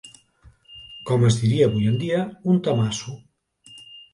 Com es diria avui en dia “un temassu”.